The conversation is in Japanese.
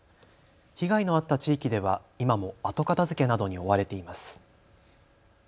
被害のあった地域では今も後片づけなどに追われています。